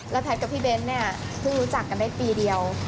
และแพทนกับพี่เบนพึ่งรู้จักกันได้ปีเดียว